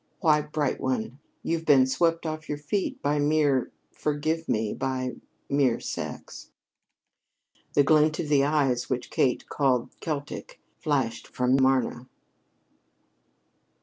"Why, bright one, you've been swept off your feet by mere forgive me by mere sex." That glint of the eyes which Kate called Celtic flashed from Marna.